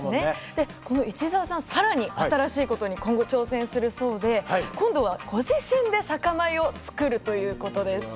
でこの市澤さん更に新しいことに今後挑戦するそうで今度はご自身で酒米をつくるということです。